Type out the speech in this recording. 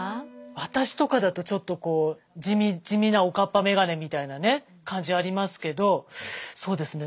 私とかだとちょっとこう地味なおかっぱメガネみたいなね感じありますけどそうですね